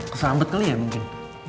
kesel ampet kali ya mungkin